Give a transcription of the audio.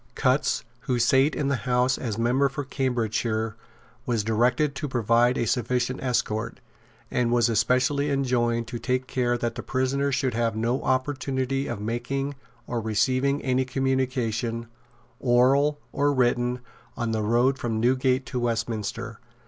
Cutts, who sate in the House as member for Cambridgeshire, was directed to provide a sufficient escort, and was especially enjoined to take care that the prisoner should have no opportunity of making or receiving any communication, oral or written, on the road from Newgate to Westminster.